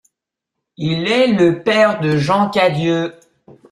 Il est le père de Jan Cadieux.